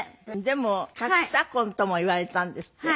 でも格差婚ともいわれたんですって？